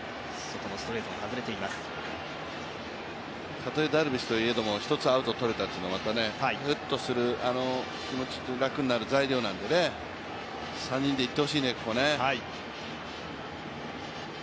たとえダルビッシュといえども、１つアウトが取れたというのは、ふっとする、気持ち、楽になる材料なんで３人いってほしいね。